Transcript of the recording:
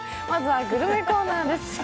まずはグルメコーナーです。